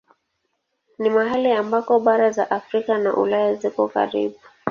Ni mahali ambako bara za Afrika na Ulaya ziko karibu.